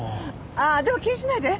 あっでも気にしないで。